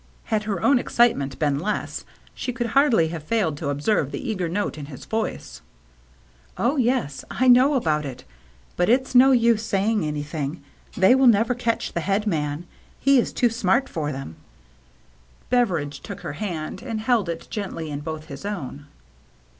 Had her own excitement been less, she could hardly have failed to observe the eager note in his voice. "Yes — oh, I know about it. But it's no use saying anything. They will never catch the head man — he is too smart for them —" Beveridge took her hand, and held it gently in both his own.